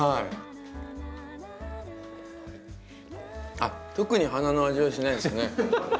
あっ特に花の味はしないですね。